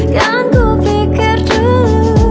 kan ku pikir dulu